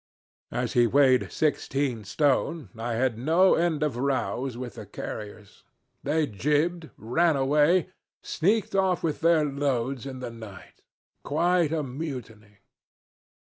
As he weighed sixteen stone I had no end of rows with the carriers. They jibbed, ran away, sneaked off with their loads in the night quite a mutiny.